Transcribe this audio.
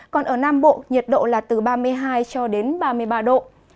còn ở nam bộ nhiệt độ là từ ba mươi hai cho đến ba mươi ba độ